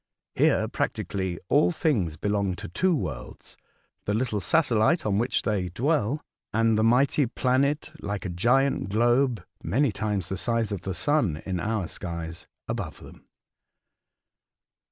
Here, practi cally, all things belong to two worlds, the little satelHte on which they dwell and the mighty planet, like a giant globe (many times the size of the sun in our skies), above them."